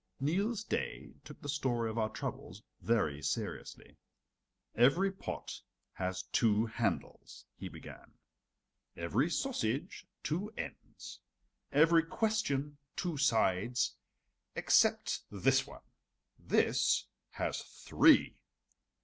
Niels Daae took the story of our troubles very seriously. "Every pot has two handles," he began. "Every sausage two ends, every question two sides, except this one this has three."